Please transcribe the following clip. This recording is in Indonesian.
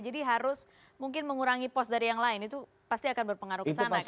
jadi harus mungkin mengurangi pos dari yang lain itu pasti akan berpengaruh kesana kan kurang lebih